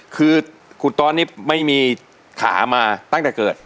คือคุณตอสนี่ไม่มีขามาตั้งแต่เกิด